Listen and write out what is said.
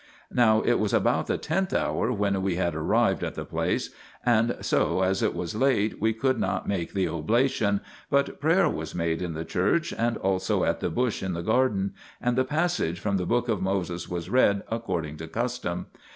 1 Now it was about the tenth hour when we had arrived at the place, and so, as it was late, we could not make the oblation, but prayer was made in the church and also at the bush in the garden, and the passage from the book of Moses was read according to custom.